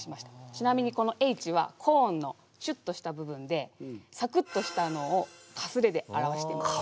ちなみにこの「Ｈ」はコーンのシュッとした部分でサクッとしたのをかすれで表してます。